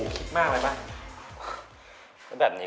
จัดเต็มให้เลย